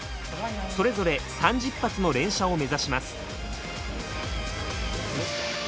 それぞれ３０発の連射を目指します。